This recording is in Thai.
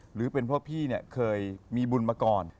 หรือเป็นเพราะพี่เนี่ยเคยมีบุญมาก่อน